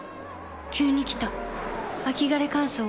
急に来た秋枯れ乾燥。